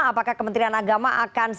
apakah kementerian agama akan